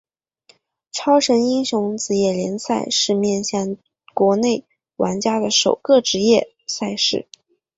超神英雄职业联赛是面向国内玩家的首个职业赛事。